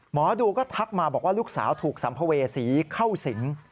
หมอดูก็ทักมาบอกว่าลูกสาวถูกสัมภเวษีเข้าสิง